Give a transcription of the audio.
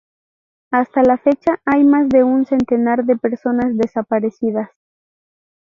Hasta la fecha, hay más de un centenar de personas desaparecidas.